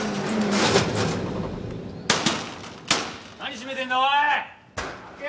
何閉めてんだおい！